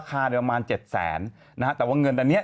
ค่าในประมาณ๗๐๐๐๐๐บาทแต่ว่าเงินอันเนี้ย